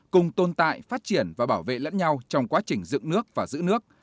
cùng tồn tại phát triển và bảo vệ lẫn nhau trong quá trình dựng nước và giữ nước